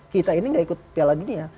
kita ini gak ikut piala dunia